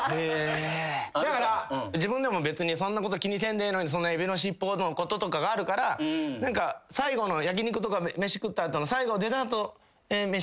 だから自分でも別にそんなこと気にせんでええのにエビの尻尾のこととかがあるから何か焼き肉とか飯食った後の最後。